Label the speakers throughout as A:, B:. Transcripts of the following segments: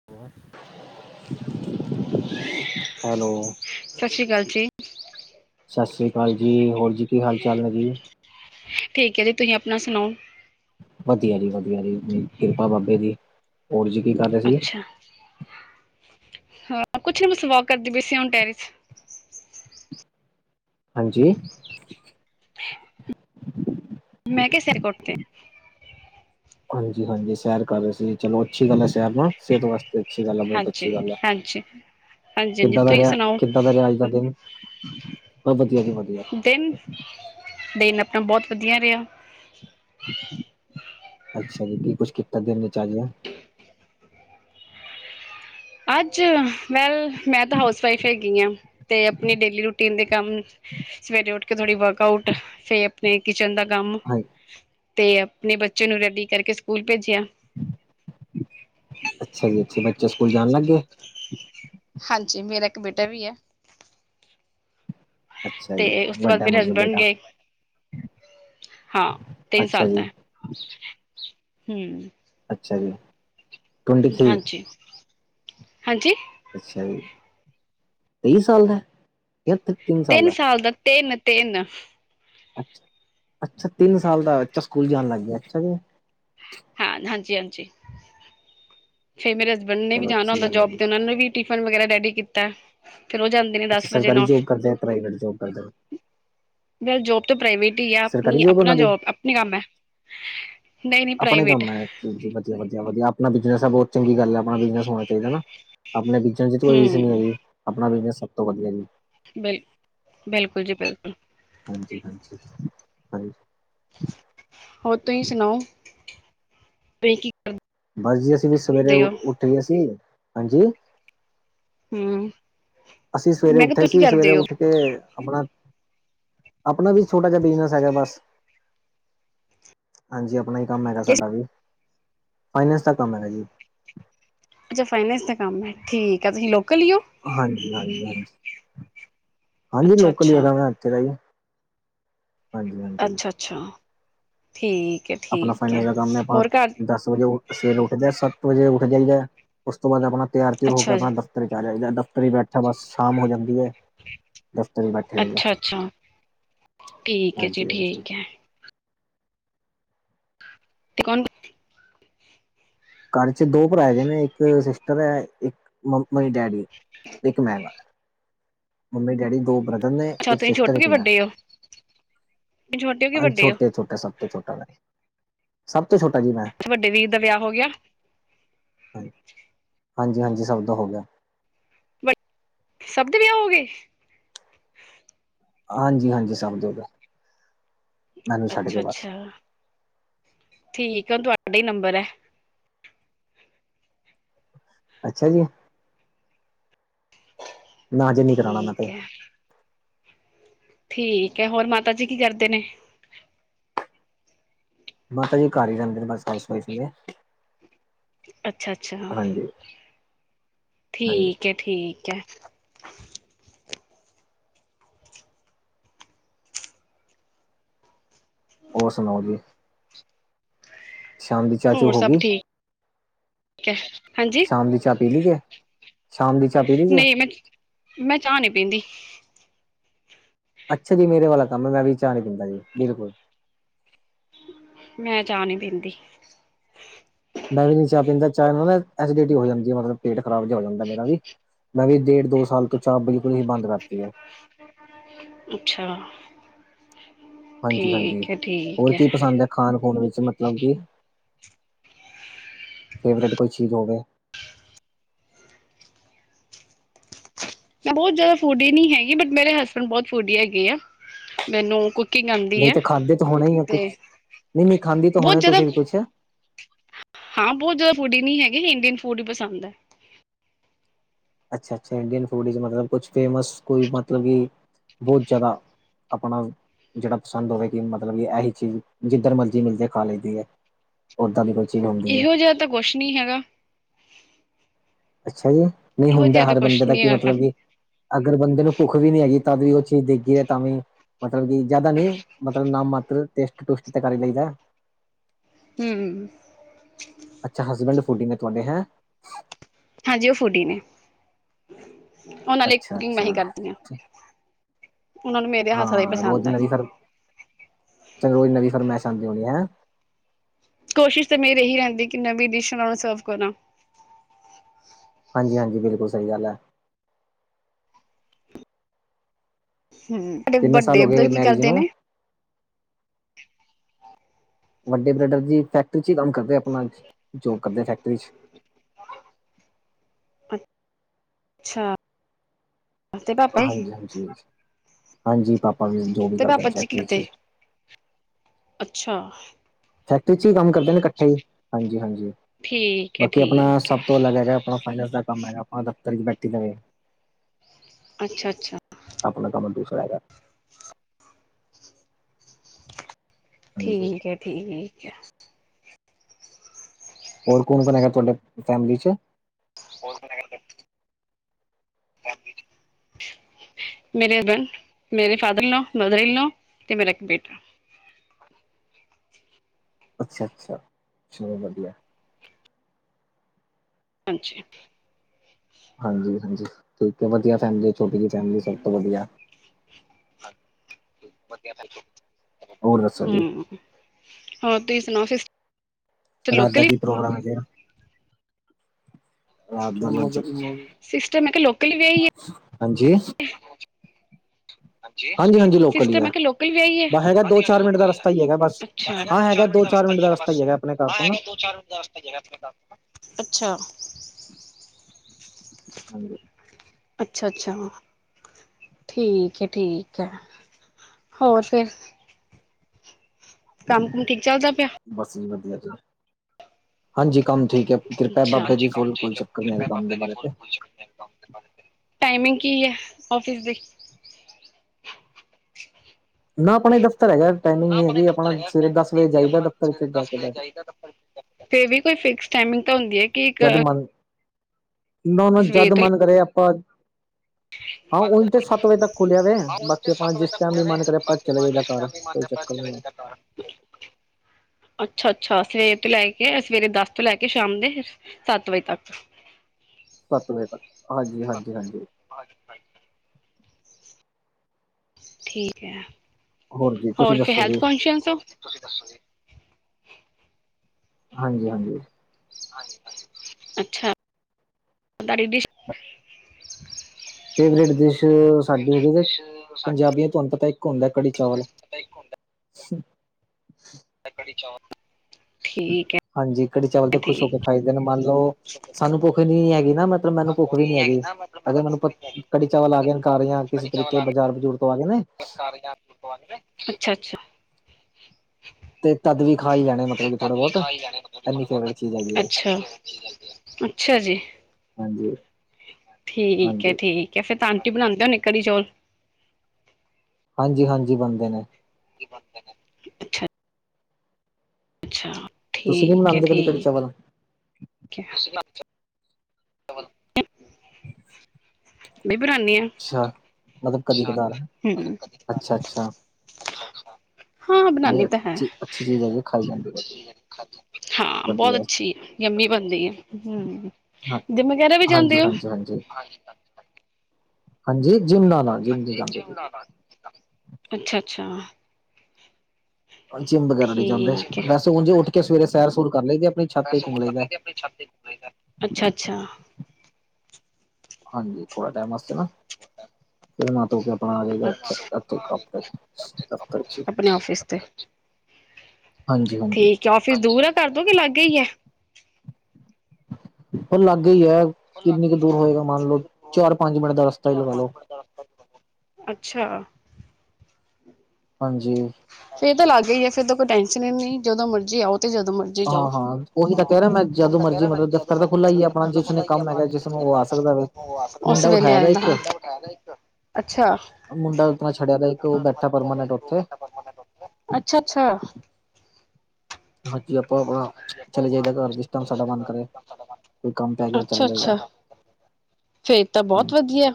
A: [unintelligible] Hello
B: ਸ਼ਸ਼ੀ ਕਾਲ ਜੀ।
A: ਸ਼ਸ਼ੀ ਕਾਲ ਜੀ। ਹੋਰ ਜੀ ਕੀ ਹਾਲ ਚਾਲ ਜੀ ਵਧੀਆ।
B: ਠੀਕ ਏ ਜੀ। ਤੁਸੀ ਆਪਣਾ ਸੁਣਾਓ?
A: ਵਧੀਆ ਜੀ ਵਧੀਆ ਜੀ ਕਿਰਪਾ ਬਾਬੇ ਦੀ। ਹੋਰ ਜੀ ਕੀ ਰਹੇ ਸੀ?
B: ਅੱਛਾ ਹਾਂ ਕੁਛ ਨੀ ਬਸ ਵੋਕ ਕਰਦੀ ਪਈ ਸੀ ਹੁਣ ਟੈਰਿਸ
A: ਹਾਂਜੀ।
B: ਮੈਂ ਸਿਰ ਘੁੱਟ ਦਿਆਂ।
A: ਹਾਂਜੀ-ਹਾਂਜੀ ਸੈਰ ਕਰ ਰਹੇ ਸੀ ਚਲੋ ਅੱਛੀ ਗੱਲ ਹੈ ਸੈਰ ਨਾ। ਸਿਹਤ ਵਾਸਤੇ ਅੱਛੀ ਗੱਲ ਏ ਬਹੁਤ
B: ਹਾਂਜੀ
A: ਅੱਛੀ ਗੱਲ ਆ।
B: ਹਾਂਜੀ ਹਾਂਜੀ ਹਾਂਜੀ
A: ਕਿੱਦਾਂ ਦਾ
B: ਤੁਸੀਂ
A: ਰਿਹਾ
B: ਸੁਣਾਓ
A: ਕਿੱਦਾਂ ਰਿਹਾ ਅੱਜ ਦਾ ਦਿਨ, ਬਸ ਵਧੀਆ ਜੀ ਵਧੀਆ।
B: ਦਿਨ ਦਿਨ ਆਪਣਾ ਬਹੁਤ ਵਧੀਆ ਰਿਹਾ।
A: ਅੱਛਾ ਜੀ ਕੀ ਕੁਛ ਦਿਨ 'ਚ ਅੱਜ।
B: ਅੱਜ ਵੈੱਲ ਮੈਂ ਤਾਂ ਹਾਊਸ ਵਾਈਫ ਹੈਗੀ ਹਾਂ ਤੇ ਆਪਣੀ ਡੇਲੀ ਰੂਟੀਨ ਦੇ ਕੰਮ ਸਵੇਰੇ ਉੱਠ ਕੇ ਥੋੜ੍ਹੀ ਵਰਕ ਆਊਟ। ਫਿਰ ਆਪਣੇ ਕਿਚਨ ਦਾ ਕੰਮ।
A: ਹਾਂ
B: ਤੇ ਆਪਣੇ ਬੱਚੇ ਨੂੰ ਰੈਡੀ ਕਰਕੇ ਸਕੂਲ ਭੇਜਿਆ।
A: ਅੱਛਾ ਜੀ ਅੱਛਾ ਬੱਚੇ ਸਕੂਲ ਜਾਣ ਲੱਗ ਗੇ।
B: ਹਾਂਜੀ ਮੇਰਾ ਇੱਕ ਬੇਟਾ ਵੀ ਐ।
A: ਅੱਛਾ
B: ਤੇ
A: ਜੀ
B: ਉਸ ਤੋਂ ਬਾਅਦ
A: ਵੱਡਾ
B: ਮੇਰੇ
A: ਮਤਲਬ
B: ਹਸਬੈਂਡ
A: ਬੇਟਾ
B: ਗਏ। ਹਾ ਤਿੰਨ
A: ਅੱਛਾ
B: ਸਾਲ
A: ਜੀ
B: ਦਾ। ਹੂੰ
A: ਅੱਛਾ ਜੀ ਟਵੰਟੀ ਥ੍ਰੀ
B: ਹਾਂਜੀ ਹਾਂਜੀ
A: ਅੱਛਾ ਜੀ [inaudible] ਤੇਈ ਸਾਲ ਦਾ।
B: ਤਿੰਨ ਸਾਲ ਦਾ ਤਿੰਨ-ਤਿੰਨ।
A: ਅੱ ਅੱਛਾ ਤਿੰਨ ਸਾਲ ਦਾ ਅੱਛਾ ਸਕੂਲ ਜਾਣ ਲੱਗ ਗਿਆ ਅੱਛਾ ਜੀ।
B: ਹਾਂ ਹਾਂਜੀ ਹਾਂਜੀ ਫੇਰ ਮੇਰੇ ਹਸਬੈਂਡ ਨੇ ਵੀ
A: ਚਲੋ
B: ਜਾਣਾ
A: ਅੱਛੀ
B: ਹੁੰਦਾ
A: ਗੱਲ ਹੈ
B: ਜੋਬ
A: ਜੀ
B: ਤੇ ਉਹਨਾਂ ਨੇ ਵੀ ਟਿਫਨ ਵਗੈਰਾ ਰੈਡੀ ਕੀਤਾ। ਫੇਰ ਉਹ ਜਾਂਦਾ
A: ਅੱਛਾ ਸਰਕਾਰੀ ਜੋਬ ਕਰਦੇ ਪ੍ਰਾਈਵੇਟ ਜੋਬ ਕਰਦੇ ਆ।
B: ਨਹੀ ਜੋਬ ਤੇ ਪ੍ਰਾਈਵੇਟ ਹੀ ਆ,
A: ਸਰਕਾਰੀ
B: ਆਪਣੀ ਆਪਣਾ
A: ਉਹਨਾਂ ਦੀ
B: ਜੋਬ ਆਪਣੇ ਈ ਕੰਮ ਐ। ਨਹੀਂ-ਨਹੀਂ
A: ਆਪਣੇ
B: ਪ੍ਰਾਈਵੇਟ
A: ਕੰਮ ਹੈ ਜੀ ਵਧੀਆ-ਵਧੀਆ ਆਪਣਾ ਬਿਜਨਸ ਐ ਬਹੁਤ ਚੰਗੀ ਗੱਲ ਐ। ਆਪਣਾ ਬਿਜਨਸ ਹੋਣਾ ਚਾਹੀਦਾ ਨਾ। ਆਪਣੇ ਬਿਜਨਸ 'ਚ ਕੋਈ ਰੀਸ ਨੀ
B: ਹਮ
A: ਹੈਗੀ। ਆਪਣਾ ਬਿਜਨਸ ਸਭ ਤੋਂ ਵਧੀਆ ਜੀ।
B: ਬਿਲ, ਬਿਲਕੁਲ ਜੀ ਬਿਲਕੁਲ।
A: ਹਾਂਜੀ-ਹਾਂਜੀ-ਹਾਂਜੀ।
B: ਹੋਰ ਤੁਸੀਂ ਸੁਣਾਓ? ਕੀ ਕਰਦਾ
A: ਬਸ ਜੀ ਅਸੀਂ ਵੀ ਸਵੇਰੇ ਉੱਠੀ ਗੇ ਸੀਂ ਹਾਂਜੀ।
B: ਹੂੰ
A: ਅਸੀਂ ਸਵੇਰੇ ਉੱਠੇ ਸੀ। ਸਵੇਰੇ ਉੱਠ ਤੇ ਆਪਣਾ-ਆਪਣਾ ਵੀ ਛੋਟਾ ਜਿਹਾ ਬਿਜਨਸ ਹੈਗਾ ਬਸ ਹਾਂਜੀ, ਆਪਣਾ ਈ ਕੰਮ ਹੈਗਾ ਸਾਡਾ ਵੀ ਫਾਈਨੈਂਸ ਦਾ ਕੰਮ ਹੈਗਾ।
B: ਅੱਛਾ ਫਾਈਨੈਂਸ ਦਾ ਕੰਮ ਐ। ਠੀਕ ਆ ਤੁਸੀਂ ਲੋਕਲ ਈ ਓ?
A: ਹਾਂਜੀ-ਹਾਂਜੀ-ਹਾਂਜੀ-ਹਾਂਜੀ
B: ਅੱਛਾ
A: ਲੋਕਲ ਈ
B: ਅੱਛਾ
A: ਹੈਗਾ ਮੈਂ ਇੱਥੇ ਦਾ ਜੀ। ਹਾਂਜੀ-ਹਾਂਜੀ
B: ਅੱਛਾ-ਅੱਛਾ ਠੀਕ ਹੈ
A: ਆਪਣਾ
B: ਠੀਕ ਹੈ
A: ਫਾਈਨੈਂਸ ਦਾ ਕੰਮ ਐ। ਆਪਾ
B: ਹੋਰ ਘਰ
A: ਦਸ ਵਜੇ ਸਵੇਰੇ ਉੱਠ ਦੇ ਆ ਸੱਤ ਵਜੇ ਉੱਠ ਜਾਈ ਦਾ ਉਸ ਤੋਂ ਬਾਅਦ ਆਪਣਾ ਤਿਆਰ ਤੁਇਰ ਹੋ ਕੇ
B: ਅੱਛਾ
A: ਆਪਣਾ
B: ਜੀ
A: ਦ ਦਫ਼ਤਰ 'ਚ ਆ ਜਾਈ ਦਾ। ਦਫ਼ਤਰ ਬੈਠਾ ਬਸ ਸ਼ਾਮ ਹੋ ਜਾਂਦੀ ਐ। ਦਫ਼ਤਰ ਤੇ ਬੈਠੇ ਰਹੀ‌ ਦਾ
B: ਅੱਛਾ-ਅੱਛਾ ਠੀਕ ਹੈ ਜੀ
A: ਹਾਂਜੀ-ਹਾਂਜੀ।
B: ਠੀਕ ਹੈ ਤੇ ਕੌਣ
A: ਘਰ 'ਚ ਦੋ ਭਰਾ ਹੈਗੇ ਨੇ। ਇੱਕ ਸਿਸਟਰ ਐ ਇੱਕ ਮੰਮੀ-ਡੈਡੀ। ਇੱਕ ਮੈਂ ਗਾ, ਮੰਮੀ-ਡੈਡੀ, ਦੋ ਬ੍ਰਦਰ ਨੇ।
B: ਅੱਛਾ
A: ਇੱਕ
B: ਤੁਸੀਂ
A: ਸਿਸਟਰ
B: ਛੋਟੇ ਹੋ
A: ਇੱਕ
B: ਕਿ
A: ਮੈਂ
B: ਵੱਡੇ ਹੋ ਛੋਟੇ ਹੋ ਕਿ ਵੱਡੇ ਹੋ
A: ਛੋਟੇ-ਛੋਟੇ ਸਭ ਤੋਂ ਛੋਟਾ ਮੈ ਸਭ ਤੋਂ ਛੋਟਾ ਜੀ ਮੈਂ।
B: ਵੱਡੇ ਵੀਰ ਦਾ ਵਿਆਹ ਹੋ ਗਿਆ।
A: ਹਾਂਜੀ-ਹਾਂਜੀ ਸਭ ਦਾ ਹੋ ਗਿਆ।
B: ਸਭ ਦੇ ਵਿਆਹ ਹੋ ਗਏ?
A: ਹਾਂਜੀ-ਹਾਂਜੀ, ਸਬਦੇ ਹੋ ਗਏ।
B: ਅੱਛਾ-ਅੱਛਾ ਠੀਕ ਆ। ਹੁਣ ਆਪਣਾ ਈ ਨੰਬਰ ਐ।
A: ਅੱਛਾ ਜੀ। ਨਾ ਅਜੇ ਨੀ ਕਰਾਉਣਾ ਮੈਂ
B: ਠੀਕ
A: ਤੇ।
B: ਹੈ ਠੀਕ ਐ, ਹੋਰ ਮਾਤਾ ਜੀ ਕੀ ਕਰਦੇ ਨੇ?
A: ਮਾਤਾ ਜੀ ਘਰ ਈ ਰਹਿੰਦੇ ਨੇ ਬਸ ਸ ਸਈ ਸੁ।
B: ਅੱਛਾ-ਅੱਛਾ।
A: ਹਾਂਜੀ ਹਾਂਜੀ
B: ਠੀਕ ਐ, ਠੀਕ ਐ।
A: ਹੋਰ ਸੁਣਾਓ ਜੀ? ਸ਼ਾਮ ਦੀ ਚਾਹ ਚੂ
B: ਹੋਰ
A: ਹੋ
B: ਸਭ
A: ਗਈ?
B: ਠੀਕ ਹਾਂਜੀ।
A: ਸ਼ਾਮ ਦੀ ਚਾਹ ਪੀ ਲਈ ਏ, ਸ਼ਾਮ ਦੀ ਚਾ ਪੀ। ਲਈ ਜੇ
B: ਨਹੀਂ, ਮੈਂ, ਮੈਂ ਚਾਹ ਨੀ ਪੀਦੀ।
A: ਅੱਛਾ ਜੀ, ਮੇਰੇ ਵਾਲਾ ਕੰਮ ਐ, ਮੈਂ ਵੀ ਚਾਹ ਨੀ ਪੀਦਾ ਜੀ ਬਿਲਕੁਲ।
B: ਮੈਂ ਚਾਹ ਨੀ ਪੀਂਦੀ।
A: ਮੈਂ ਵੀ ਨੀ ਚਾਹ ਪੀਂਦਾ ਚਾਹ ਐਸੀਡਿਟੀ ਹੋ ਜਾਂਦੀ ਮਤਲਬ ਪੇਟ ਖ਼ਰਾਬ ਜਿਹਾ ਹੋ ਜਾਂਦਾ ਮੇਰਾ ਵੀ। ਮੈਂ ਵੀ ਡੇਢ ਦੋ ਸਾਲ ਤੋਂ ਚਾਹ ਬਿਲਕੁਲ ਈ ਬੰਦ ਕਰਤੀ ਐ।
B: ਅੱਛਾ।
A: ਹਾਂਜੀ-ਹਾਂਜੀ।
B: ਠੀਕ ਹੈ ਠੀਕ
A: ਹੋਰ
B: ਹੈ
A: ਕੀ ਪਸੰਦ ਐ। ਖਾਣ ਖੂਨ ਵਿੱਚ ਮਤਲਬ, ਕਿ ਫੇਵਰੇਟ ਕੋਈ ਚੀਜ਼ ਹੋਵੇ।
B: ਮੈਂ ਬਹੁਤ ਜ਼ਿਆਦਾ ਫੋਡੀ ਨੀ ਹੈਗੀ, ਬਟ ਮੇਰੇ ਹਸਬੈਂਡ ਬਹੁਤ ਫੋਡੀ ਹੈਗੇ ਆ। ਮੈਨੂੰ ਆਂਦੀ
A: ਨਹੀਂ
B: ਐ
A: ਤਾਂ ਖਾਂਦੇ ਤਾਂ ਹੋਣੇ ਹੀ ਆ ਕੁਛ।
B: ਤੇ
A: ਨਹੀਂ- ਨਹੀਂ ਖਾਂਦੇ ਤਾਂ
B: ਬਹੁਤ
A: ਹੋਣਾ
B: ਜ਼ਿਆਦਾ
A: ਤੁਸੀਂ ਵੀ ਕੁਛ।
B: ਹਾਂ ਬਹੁਤ ਜ਼ਿਆਦਾ ਫੂਡੀ ਹੀ ਨੀ ਹੈਗੇ ਇੰਡੀਅਨ ਫੂਡ ਹੀ ਪਸੰਦ ਐ।
A: ਅੱਛਾ-ਅੱਛਾ। ਇੰਡੀਅਨ ਫੂਡ ਮਤਲਬ ਕੁਛ ਫੇਮਸ ਕੋਈ ਮਤਲਬ ਕਿ ਬਹੁਤ ਜ਼ਿਆਦਾ। ਆਪਣਾ ਜਿਹੜਾ ਪਸੰਦ ਹੋਵੇ ਕਿ ਮਤਲਬ ਕਿ ਇਹੀ ਚੀਜ਼ ਜਿੱਧਰ ਮਰਜ਼ੀ ਮਿਲ ਜਾ ਖਾ ਲਈ ਦੀ ਐ। ਓਦਾਂ ਦੀ ਕੋਈ ਚੀਜ਼ ਹੁੰਦੀ ਐ।
B: ਤੇ ਕੁਛ ਨਹੀਂ ਹੈਗਾ।
A: ਅੱਛਾ ਜੀ। ਨਹੀਂ
B: ਇਹੋ
A: ਹੁੰਦਾ
B: ਜਿਹਾ ਤਾਂ
A: ਹਰ
B: ਕੁਛ
A: ਬੰਦੇ ਦਾ
B: ਨੀ
A: ਕੀ
B: ਹੈਗਾ
A: ਮਤਲਬ ਕਿ ਅਗਰ ਬੰਦੇ ਨੂੰ ਭੁੱਖ ਵੀ ਨੀ ਹੈਗੀ ਤਾਂ ਵੀ ਉਹ ਚੀਜ਼ ਦੇਖਗੀ ਤਾਂ ਵੀ ਮਤਲਬ ਕਿ ਜਿਆਦਾ ਨੀ ਮਤਲਬ ਨਾਮ ਮਾਤਰ ਟੇਸਟ-ਟੇਸਟ ਤੇ ਕਰ ਹੀ ਲਈਦਾ।
B: ਹਮ।
A: ਅੱਛਾ ਹਸਬੈਂਡ ਫੂਡਿੰਗ ਐ ਤੁਹਾਡੇ ਹੈ।
B: ਹਾਂਜੀ ਉਹ ਫੁਡੀ ਨੇ। ਉਹਨਾਂ ਲਈ
A: ਅੱਛਾ
B: ਕੁਕਿੰਗ ਮੈਂ
A: ਅੱਛਾ
B: ਹੀ ਕਰਦੀ ਹਾਂ। ਦਾ ਹੀ
A: ਹਾਂ ਰੋਜ਼
B: ਪਸੰਦ ਐ।
A: ਨਵੀਂ ਫਿਰ ਚੱਲ ਰੋਜ਼ ਨਵੀਂ ਫਰਮੈਂਸ਼ ਆਦੀ ਹੋਣੀ ਹੈਨਾ।
B: ਕੋਸ਼ਿਸ਼ ਤਾਂ ਮੇਰੀ ਇਹੀ ਰਹਿੰਦੀ ਕਿ ਨਵੀ ਡਿਸ਼ ਨਾਲ ਸਰਵ ਕਰਾਂ।
A: ਹਾਂਜੀ-ਹਾਂਜੀ। ਬਿਲਕੁਲ ਸਹੀ ਗੱਲ ਆ।
B: ਹਮ ਸਾਡੇ
A: ਕਿੰਨੇ
B: ਵੱਡੇ
A: ਸਾਲ ਹੋ
B: ਇੱਧਰ
A: ਗਏ
B: ਕੀ
A: ਮੈਰਿਜ
B: ਕਰਦੇ
A: ਨੂੰ
B: ਨੇ।
A: ਵੱਡੇ ਬ੍ਰਡਰ ਦੀ ਫੈਕਟਰੀ'ਚ ਹੀ ਕੰਮ ਕਰਦੇ ਆਪਣਾ ਜੋਬ ਕਰਦੇ ਫੈਕਟਰੀ 'ਚ।
B: ਅੱਛਾ। ਤੇ ਪਾਪਾ ਜੀ
A: ਹਾਂਜੀ-ਹਾਂਜੀ। ਹਾਂਜੀ ਪਾਪਾ ਵੀ ਜੋਬ ਹੀ
B: ਤੇ
A: ਕਰਦੇ ਨੇ
B: ਪਾਪਾ ਜੀ ਕੀ
A: ਫੈਕਟਰੀ 'ਚ
B: ਕਰਦੇ?
A: ਹੀ।
B: ਅੱਛਾ।
A: ਫੈਕਟਰੀ'ਚ ਹੀ ਕੰਮ ਕਰਦੇ ਨੇਂ ਇਕੱਠੇ ਹੀ। ਹਾਂਜੀ-ਹਾਂਜੀ
B: ਠੀਕ ਐ
A: ਬਾਕੀ ਆਪਣਾ
B: ਠੀਕ ਐ
A: ਸਭ ਤੋਂ ਅਲੱਗ ਹੈਗਾ। ਆਪਣਾ ਫਾਇਨਾਂਸ ਦਾ ਕੰਮ ਹੈਗਾ ਆਪਾਂ ਦਫ਼ਤਰ ਬੈਠੇ ਰਵੇ।
B: ਅੱਛਾ-ਅੱਛਾ।
A: ਆਪਣਾ ਕੰਮ ਦੂਸਰਾ ਹੈਗਾ। ਹਾਂਜੀ
B: ਠੀਕ ਕੇ -ਠੀਕ ਕੇ।
A: ਹੋਰ ਕੌਣ-ਕੌਣ ਹੈਗਾ ਤੁਹਾਡੇ ਫੈਮਿਲੀ 'ਚ।
B: '
A: ' [inaudible]
B: [unintelligible] ਮੇਰੇ ' [unintelligible] ' ਮੇਰੇ father in law, mother in law law ਤੇ ਮੇਰਾ ਇੱਕ ਬੇਟਾ।
A: ਅੱਛਾ-ਅੱਛਾ ' [inaudible] ' ਚਲੋ ਵਧੀਆ।
B: ਹਾਂਜੀ।
A: ਹਾਂਜੀ-ਹਾਂਜੀ ' [inaudible] ' ਠੀਕ ਹੈ ਵਧੀਆ ਫੈਮਲੀ ਛੋਟੀ ਜਿਹੀ ਫੈਮਿਲੀ ਸਭ ਤੋਂ ਵਧੀਆ ਹੋਰ ਦੱਸੋ ਜੀ
B: ਹਮ। ਹਾਂ ਤੁਸੀ ਸੁਣਾਓ ਫਿਰ
A: ਰਾਤ ਦਾ ਕੀ ਪ੍ਰੋਗਰਾਮ ਹੈ ਤੇਰਾ '
B: ਸਿਸਟਰ
A: [unintelligible] ' ਹਾਂਜੀ
B: ' [inaudible] ਹਾਂਜੀ, '
A: ਹਾਂਜੀ
B: [inaudible]
A: ਹਾਂਜੀ
B: '
A: ਲੋਕਲ
B: ਸਿਸ
A: ਹੀ ਆ
B: ਮੈ ਕਿਹਾ ਲੋਕਲ ਹੀ ਵਿਆਹੀ ਆ,
A: ਬਸ ਹੈਗਾ ਦੋ
B: ਹਾਂਜੀ-ਹਾਂਜੀ
A: ਚਾਰ ਮਿੰਟ
B: ਲੋਕਲ
A: ਦਾ
B: ਹੀ ਆ।
A: ਰਸਤਾ ਹੈਗਾ ਬਸ
B: ਅੱਛਾ, ਹੈਗਾ
A: ਹਾਂ
B: ਦੋ, ਚਾਰ ਮਿੰਟ ਦਾ ਰਸਤਾ ਹੀ ਹੈਗਾ ਬੱਸ ' [inaudible]
A: ਆਪਣੇ
B: '
A: ਘਰ
B: ਹਾਂ
A: ਤੋਂ ਨਾ
B: ਹੈਗਾ ਦੋ, ਚਾਰ ਮਿੰਟ ਦਾ ਰਸ ਅੱਛਾ।
A: ਹਾਂਜੀ।
B: ਅੱਛਾ-ਅੱਛਾ। ਠੀਕ ਐ-ਠੀਕ ਐ ' [inaudible] ' ਹੋਰ ਫਿਰ ਕੰਮ-ਕੁਮ ਠੀਕ ਚੱਲਦਾ ਪਿਆ।
A: ਬੱਸ ਜੀ ਵਧੀਆ ਜਾ ਹਾਂਜੀ ਕੰਮ ਠੀਕ ਐ ਕਿਰਪਾ
B: ਅੱਛਾ
A: ਬਾਬੇ ਦੀ
B: ਹਾਂਜੀ
A: ਫੁੱਲ, ਕੋਈ ਚੱਕਰ ਨਹੀਂ ਹੈ। ਕੰਮ ਦੇ ਬਾਰੇ ਤੇ।
B: ਹੈ ਟਾਈਮਿੰਗ ਕੀ ਏ, ਆਫਿਸ ਦੀ?
A: ਨਾ ਆਪਣਾ ਦਫ਼ਤਰ ਹੈਗਾ। ਟਾਈਮਿੰਗ ਹੈਗੀ ਆਪਣਾ ਸਵੇਰੇ ਦੱਸ ਵਜੇ ਜਾਈਦਾ ਦਫ਼ਤਰ 'ਚ' ਜਾ ਕੇ ਬੈਠ
B: ' [inaudible] ਫਿਰ ਵੀ ਕੋਈ ਫਿਕਸ ਟਾਈਮਿੰਗ ਤਾਂ ਹੁੰਦੀ ਏ।
A: ਜਦ ਮਨ, ਨਾ-ਨਾ
B: ਸਵੇਰ
A: ਜਦ
B: ਤੋਂ
A: ਮਨ ਕਰੇ ਆਪਾਂ ਹਾਂ, ਉਂਝ ਤੇ ਸੱਤ ਵਜੇ ਤੱਕ ਖੁੱਲਿਆ ਵੇ। ਬਾਕੀ ਆਪਾਂ ਜਿਸ ਟੈਮ ਵੀ ਮਨ ਕਰੇ ਆਪਾਂ ਚਲੇ ਜਾਈਦਾ ਘਰ।
B: ਬਾਅਦ ਚਲੇ ਜਾਈਦਾ
A: ' [inaudible]
B: ਘਰ। ਅੱਛਾ-ਅੱਛਾ ਸਵੇਰੇ ਤੋਂ ਲੈ ਕੇ ਸਵੇਰੇ ਦਸ ਤੋਂ ਲੈ ਕੇ ਸ਼ਾਮ ਦੇ ਸੱਤ ਵਜੇ ਤੱਕ।
A: ਸੱਤ ਵਜੇ ਤੱਕ ਹਾਂਜੀ, ਹਾਂਜੀ-ਹਾਂਜੀ।
B: ਹਾਂਜੀ-ਹਾਂਜੀ। ਠੀਕ ਐ,
A: ਜੀ ਤੁਸੀਂ
B: ਹੋਰ ਫਿਰ
A: ਦੱਸੋ
B: ਹੈਲਥ
A: ਜੀ
B: ਕੋਂਸ਼ੀਅਸ ਓ। ਤੁਸੀ ਦੱਸੋ ਜੀ।
A: ਹਾਂਜੀ-ਹਾਂਜੀ।
B: ਅੱਛਾ, ' [inaudible] ' ਤਹਾਡੀ ਡੀਸ
A: ਫੈਵਰੇਟ ਡਿਸ਼ ਸਾਡੇ ਹੈਗੀ ਜੇ, ਪੰਜਾਬੀਆ 'ਚ' ਤੁਹਾਨੂੰ ਪਤਾ ਇੱਕ ਹੁੰਦਾ ਕੜ੍ਹੀ ਚਾਵਲ
B: ਕੜ੍ਹੀ-ਚਾਵਲ, ਠੀਕ ਐ।
A: ਹਾਂਜੀ, ਕੜੀ ਚਾਵਲ ਤੇ ਖੁਸ਼ ਹੋ ਕੇ ਖਾਈਦੇ ਨੇ ਮੰਨ ਲਓ ਸਾਨੂੰ ਭੁੱਖ ਨੀ ਹੈਗੀ ਨਾ ਮ ਮਤਲਬ ਮੈਨੂੰ ਭੁੱਖ ਵੀ ਨੀ ਹੈਗੀ। ਅਗਰ ਮੈਨੂੰ ਪ ਕੜੀ ਚਾਵਲ ਆ ਗਏ ਘਰ ਜਾਂ ਕਿਸੇ ਤਰੀਕੇ ਬਾਜ਼ਾਰ-ਬਜ਼ੂਰ ਤੋਂ ਆ ਗਏ ਨੇ
B: ' [unintelligible] ' ਅੱਛਾ-ਅੱਛਾ।
A: ' [inaudible] ਤੇ ਤਦ ਵੀ ਖਾਈ ਲੈਣੇ, ਮਤਲਬ ਥੋੜ੍ਹਾ ਬਹੁਤ ਇੰਨੀ ਫੈਬਰੈਟ ਚੀਜ਼ ਹੈਗੀ ਆ।
B: ਅੱਛਾ ਅੱਛਾ ਅੱਛਾ ਜੀ।
A: ਹਾਂਜੀ।
B: ਠੀਕ ਏ
A: ਹਾਂਜੀ
B: ਠੀਕ ਏ, ਫਿਰ ਤਾਂ ਆਂਟੀ ਬਣਾਂਦੇ ਹੋਣੇ ਆ ਕੜ੍ਹੀ ਚੌਲ?
A: ਹਾਂਜੀ- ਹਾਂਜੀ ਬਣਦੇ ਨੇ।
B: ਜੀ ਬਣਦੇ ਨੇ। ਅੱਛਾ,
A: ਤੁਸੀਂ ਨੀ
B: ਠੀਕ ਏ
A: ਬਣਾਉਂਦੇ ਕਦੀ ਕੜੀ
B: ਠੀਕ
A: ਚਾਵਲ
B: ਕਿਹਾ [unintelligible] ਨਹੀ ਬਣਾਨੇ ਆ।
A: ਅੱਛਾ ਮਤਲਬ ਕਦੀ ਕਧਾਰ। ਅੱਛਾ -ਅੱਛਾ
B: ਹਾਂ
A: ਨਹੀਂ
B: ਬਣਾਉਣੀ ਤਾਂ ਹੈ
A: ਅੱਛੀ, ਅੱਛੀ ਚੀਜ਼ ਜੀ ਖਾਈ ਜਾਂਦੀ ਰਵੇ।
B: [inaudible] ਹਾਂ ਬਹੁਤ ਅੱਛੀ ਆ ਯਮੀ ਬਣਦੀ ਆ ਹੂੰ।
A: ਹਾਂ
B: ਜਿੰਮ ਵਗੈਰਾ ਵੀ ਜਾਂਦੇ ਓ। ਹਾਂਜੀ
A: ਹਾਂਜੀ ਜਿੰਮ ਨਾ। ਨਾ ਜਿੰਮ ਨੀ
B: ਹਾਂਜੀ
A: ਜਾਂਦੇ
B: ਜਿੰਮ ਜਵਾ, ਅੱਛਾ - ਅੱਛਾ
A: ਜਿੰਮ ਵਗੈਰਾ ਨੀ ਜਾਂਦੇ। ਵੈਸੇ ਉਂਝ ਉੱਠ ਕੇ ਸਵੇਰੇ ਸੈਰ- ਸੂਰ ਕਰ ਲਈ ਦੀ ਆਪਣੀ ਛੱਤ ਤੇ
B: ਵੈਸੇ ਉ
A: ਘੁੰਮ
B: ਕਰ
A: ਲਈਦਾ
B: ਲਈਦੀ ਆ ਆਪਣੀ ਛਾਤੀ ਪੂਰੀ ਕਰਨ ਲਈ। ਅੱਛਾ- ਅੱਛਾ
A: ਹਾਂਜੀ, ਥੋੜ੍ਹਾ ਟਾਈਮ ਵਾਸਤੇ ਨਾ ਫਿਰ ਨਹਾ ਧੋ ਕੇ ਆਪਣਾ ਆ
B: ਅੱਛਾ।
A: ਜਾਈਦਾ ਇਥੇ ਕੰਮ ਤੇ
B: ਅੱਛਾ
A: ਦਫ਼ਤਰ 'ਚ
B: ਆਪਣੇ ਆਫਿਸ ਤੇ।
A: ਹਾਂਜੀ- ਹਾਂਜੀ
B: ਫਿਰ ਦੂਰ ਐ ਘਰ ਤੋ ਕੇ ਲਾਗੇ ਈ ਐ।
A: ਉਹ ਲਾਗੇ ਈ ਐਂ।
B: ਓ ਲਾਗੇ ਈ ਐ
A: ਪੰਜ ਮਿੰਟ ਦਾ
B: [inaudible]
A: ਰਸਤਾ ਹੀ
B: ਚਾਰ-
A: ਲਗਾ
B: ਪੰਜ
A: ਲੋ
B: ਮਿੰਟ ਦਾ ਰਸਤਾ। ਅੱਛਾ
A: ਹਾਂਜੀ
B: ਫੇਰ ਤਾਂ ਲਾਗੇ ਈ ਆ। ਫਿਰ ਤਾਂ ਕੋਈ ਟੈਨਸ਼ਨ ਈ ਨੀ ਜਦੋਂ ਮਰਜ਼ੀ ਆਓ ਤੇ ਜਦੋਂ ਮਰਜ਼ੀ
A: ਹਾਂ- ਹਾਂ ਉਹੀ ਤਾਂ ਕਿਅ ਰਿਆਂ ਮੈਂ ਜਦ ਮਰਜੀ ਮਤਲਬ ਦਫ਼ਤਰ ਤਾ ਖੁੱਲਾ ਈ ਐ ਆਪਣਾ। ਜਿਸਨੇ
B: [inaudible]
A: ਕੰਮ ਹੈਗਾ ਜਿਸ ਨੂੰ ਉਹ ਆ ਸਕਦਾ ਵੇ
B: ਓਸ
A: ਮੁੰਡਾ
B: ਵੇਲੇ ਆ
A: ਬਿਠਾਇਆ ਦਾ
B: ਜਾਂਦਾ
A: ਇੱਕ
B: ਹਾਂ। [inaudible] ਅੱਛਿਆ।
A: ਮੁੰਡਾ ਆਪਣਾ ਛੱਡਿਆ ਦਾ ਇੱਕ ਉਹ
B: [unintelligible]
A: ਬੈਠਾ ਪਰਮਾਨੈਂਟ ਉੱਥੇ
B: [unintelligible] ਅੱਛਾ -ਅੱਛਾ।
A: ਹਾਂਜੀ ਆਪਾ ਅਪਣਾ ਚਲੇ ਜਾਈਦਾ ਘਰ ਜਿਸ ਟੈਮ ਸਾਡਾ ਮਨ ਕਰੇ। ਕੋਈ ਕੰਮ ਪੈ ਗਿਆ
B: ਅੱਛਾ-
A: ਚਲੇ ਜਾਈਦਾ
B: ਅੱਛਾ, ਫੇਰ ਤਾ ਬਹੁਤ
A: ਹਾਂਜੀ
B: ਵਧੀਐ।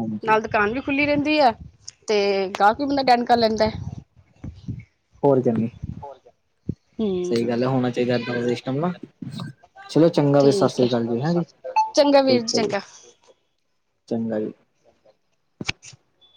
A: ਹਾਂਜੀ
B: ਨਾਲ ਦਕਾਨ ਵੀ ਖੁੱਲੀ ਰਹਿੰਦੀ ਐ। ਤੇ ਗਾਅਕ ਵੀ ਬੰਦਾ ਅਟੈਂਡ ਕਰ ਲੈਂਦ ਆ।
A: ਹੋਰ ਚੰਨੀ। ਸਈ
B: ਹੂੰ
A: ਗੱਲ ਐ ਹੋਣਾ ਚਾਹੀਦਾ ਐਦਾਂ ਦਾ ਸਿ਼ਸਟਮ ਨਾ। ਚਲੋ ਚੰਗਾ ਵੀ
B: ਠੀਕ ਹੈ
A: ਸਾਸਰੀਕਾਲ ਜੀ ਹੈਂ ਜੀ।
B: ਚੰਗਾ ਵੀਰ
A: ਠੀਕ
B: ਜੀ
A: ਹੈ
B: ਚੰਗਾ।
A: ਚੰਗਾ ਵੀ।
B: [inaudible]